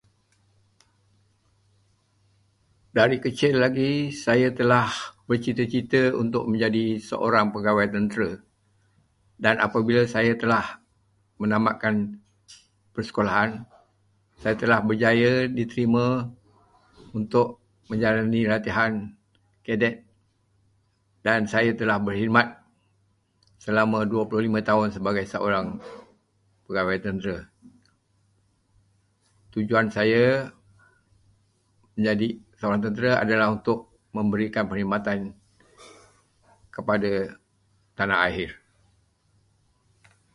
Dari kecil lagi, saya telah bercita-cita untuk menjadi seorang pegawai tentera. Apabila saya telah menamatkan persekolahan, saya telah berjaya diterima untuk menjalani latihan kadet dan saya telah berkhidmat selama dua puluh lima tahun sebagai seorang pegawai tentera. Tujuan saya menjadi pegawai tentera adalah untuk memberikan perkhidmatan kepada tanah air.